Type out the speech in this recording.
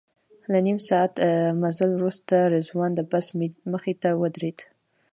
له نیم ساعت مزل وروسته رضوان د بس مخې ته ودرېد.